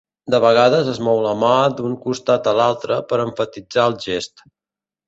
De vegades es mou la mà d'un costat a l'altre per emfatitzar el gest.